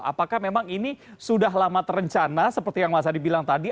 apakah memang ini sudah lama terencana seperti yang mas adi bilang tadi